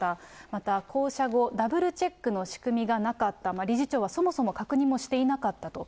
また降車後、ダブルチェックの仕組みがなかった、理事長はそもそも確認もしていなかったと。